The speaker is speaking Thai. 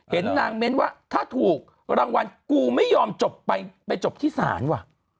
เห็นนางเม้นว่าถ้าถูกรางวัลกูไม่ยอมจบไปจบที่ศาลว่ะ